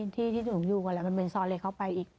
ที่ที่หนูอยู่กันแหละมันเป็นซอเล็กเข้าไปอีก